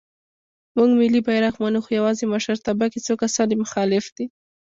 مونږ ملی بیرغ منو خو یواځې مشرتابه کې څو کسان یې مخالف دی.